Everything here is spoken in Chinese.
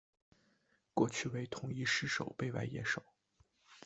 过去为统一狮守备外野手。